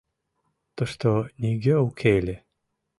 Тушто нигӧ уке ыле.